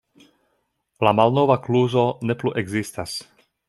La malnova kluzo ne plu ekzistas.